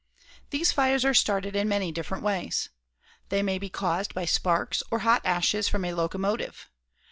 These fires are started in many different ways. They may be caused by sparks or hot ashes from a locomotive.